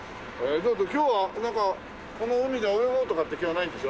今日はなんかこの海で泳ごうとかって気はないんでしょ？